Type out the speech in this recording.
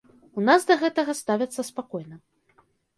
У нас да гэтага ставяцца спакойна.